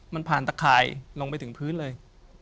มันผ่านตะข่ายลงไปถึงพื้นเลย